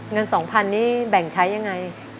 เงิน๒๐๐๐นี่แบ่งใช้ยังไง